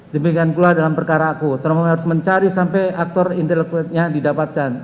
demikian pula dalam perkara aku termoh harus mencari sampai aktor intelektulitnya didapatkan